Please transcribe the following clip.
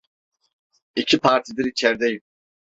İki partidir içerdeyim!